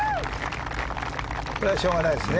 これはしょうがないですね。